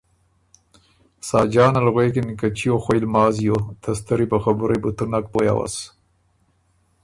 ساجان ال غوېکِن که ”چیو خوئ لماز یو، ته ستری په خبُرئ بُو تُو نک پویٛ اوَس“